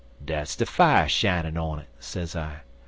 "'Dat's de fier shinin' on it,' sez I.